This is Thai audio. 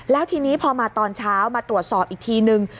แล้วทีนี้พอมาตอนเช้ามาตรวจสอบอีกทีนึง